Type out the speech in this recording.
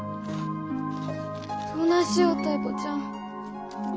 どないしよタイ子ちゃん。